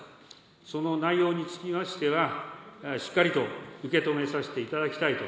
その内容につきましては、しっかりと受け止めさせていただきたいと。